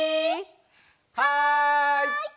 はい！